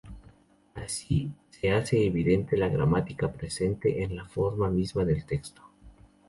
Así se hace evidente la gramática presente en la forma misma del texto.